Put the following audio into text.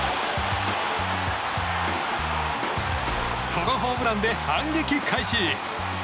ソロホームランで反撃開始。